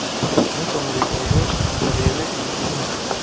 Ntukamureke ngo arebe iyi film.